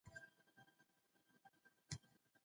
کابل په افسانوي کیسو کي د پښتنو تاریخی